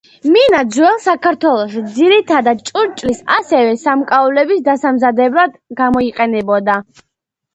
მინა ძველ საქართველოში ძირითადად ჭურჭლის, ასევე სამკაულების დასამზადებლად გამოიყენებოდა.